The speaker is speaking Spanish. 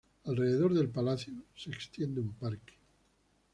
Alrededor del palacio se extiende un parque.